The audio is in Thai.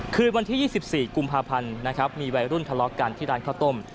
คืนวันที่๒๔กุมภาพันธ์นะครับมีวัยรุ่นทะเลาะกันที่ร้านข้าวต้ม